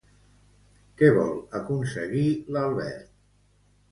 Què vol aconseguir l'Albert?